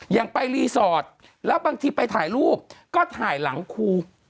อย่างไปรีสอร์ทแล้วบางทีไปถ่ายรูปก็ถ่ายหลังครู